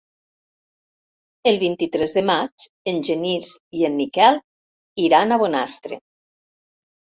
El vint-i-tres de maig en Genís i en Miquel iran a Bonastre.